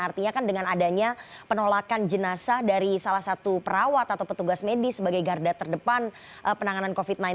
artinya kan dengan adanya penolakan jenazah dari salah satu perawat atau petugas medis sebagai garda terdepan penanganan covid sembilan belas